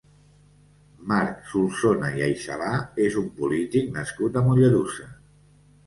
Marc Solsona i Aixalà és un polític nascut a Mollerussa.